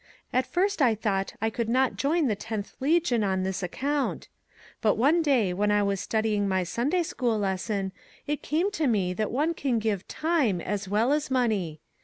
At first I thought I could not join the ' Tenth Legion ' on this account ; but one day, when I was study ing my Sunday school lesson, it came to me that one can give time as well as money.